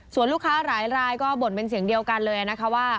ส่วนลูกค้าหลายรายก็บ่นเป็นเสียงเดียวกันเลยนะคะว่า